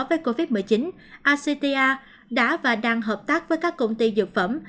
với covid một mươi chín acta đã và đang hợp tác với các công ty dược phẩm